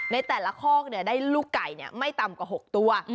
ในแต่ละคอกได้ลูกไก่ไม่ต่ำกว่า๖ตัว